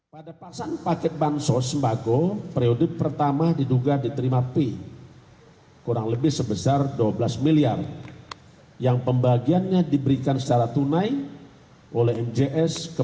pada pasangan paket bantuan sosial sembako periode pertama diduga diterima p kurang lebih sebesar dua belas miliar yang pembagiannya diberikan secara tunai oleh mjn